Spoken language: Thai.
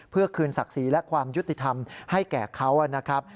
เพื่อคืนศักดิ์ศรีและความยุติธรรมให้แก่เขานะครับ